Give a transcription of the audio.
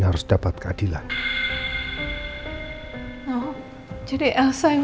kasus apa nindan